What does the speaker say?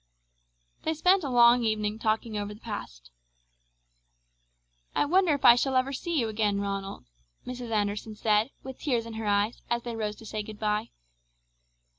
They spent a long evening talking over the past. "I wonder if I shall ever see you again, Ronald!" Mrs. Anderson said, with tears in her eyes, as they rose to say goodbye.